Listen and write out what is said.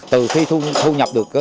từ khi thu nhập được